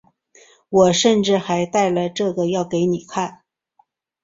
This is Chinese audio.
我甚至还带了这个要给你看